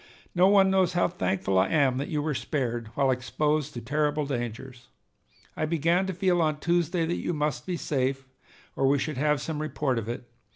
No one knows how thankful I am that you were spared, while exposed to terrible dangers. I began to feel on Tuesday that you must be safe, or we should have some report of it.